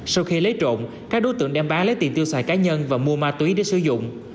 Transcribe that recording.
sau khi lấy trộm các đối tượng đem bán lấy tiền tiêu xài cá nhân và mua ma túy để sử dụng